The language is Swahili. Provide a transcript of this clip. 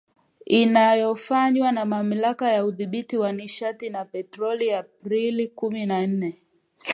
inayofanywa na Mamlaka ya Udhibiti wa Nishati na Petroli Aprili kumi na nne